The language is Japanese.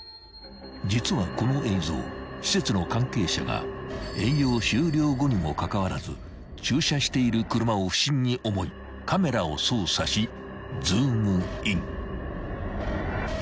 ［実はこの映像施設の関係者が営業終了後にもかかわらず駐車している車を不審に思いカメラを操作しズームイン］